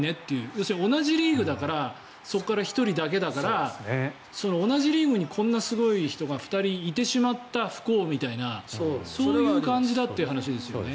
要するに同じリーグだからそこから１人だけだから同じリーグに、こんなすごい人が２人いてしまった不幸というかそういう感じだっていう話ですよね。